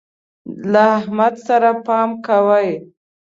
له احمد سره پام کوئ.